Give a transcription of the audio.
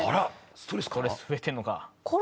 ストレス増えてるのか。